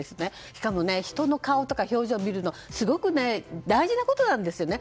しかも人の顔とか表情を見るのすごく大事なことなんですよね。